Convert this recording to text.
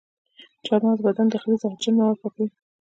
چارمغز د بدن داخلي زهرجن مواد پاکوي.